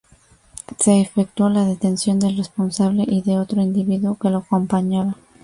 Se efectuó la detención del responsable y de otro individuo que lo acompañaba.